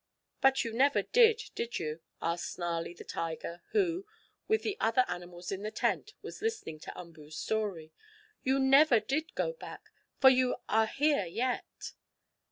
"But you never did; did you?" asked Snarlie the tiger, who, with the other animals in the tent, was listening to Umboo's story. "You never did go back, for you are here yet."